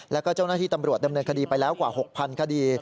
แล้วก็เจ้าหน้าที่ตำรวจดำเนินคดีไปแล้วกว่า๖๐๐คดี